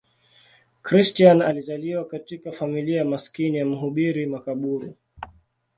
Christian alizaliwa katika familia maskini ya mhubiri makaburu.